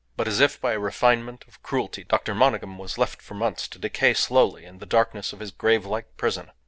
But, as if by a refinement of cruelty, Dr. Monygham was left for months to decay slowly in the darkness of his grave like prison.